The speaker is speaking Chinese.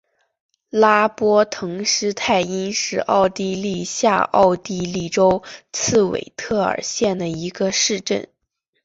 拉波滕施泰因是奥地利下奥地利州茨韦特尔县的一个市镇。